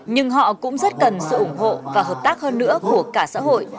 nhưng họ cũng rất cần sự ủng hộ và hợp tác hơn nữa của cả xã hội